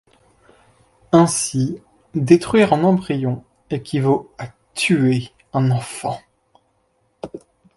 Ainsi, détruire un embryon équivaut à tuer un enfant.